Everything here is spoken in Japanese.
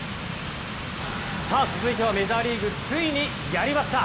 続いてはメジャーリーグついにやりました！